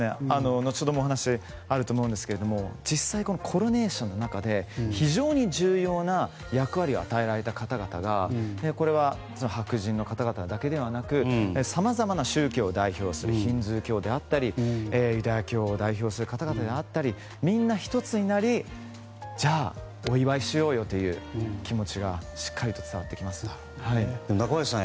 後ほどもお話があると思いますが実際にコロネーションの中で非常に重要な役割を与えられた方々が白人の方々だけではなくさまざまな宗教を代表するヒンドゥー教であったりユダヤ教を代表する方々であったりみんな１つになりじゃあお祝いしようよという気持ちが中林さん